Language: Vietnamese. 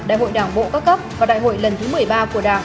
đại hội đảng bộ các cấp và đại hội lần thứ một mươi ba của đảng